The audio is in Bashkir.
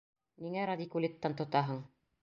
Ниңә радикулиттан тотаһың?